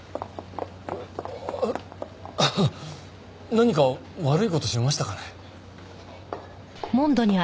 何か悪い事しましたかね？